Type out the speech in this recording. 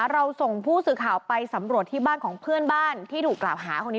เราส่งผู้สื่อข่าวไปสำรวจที่บ้านของเพื่อนบ้านที่ถูกกล่าวหาคนนี้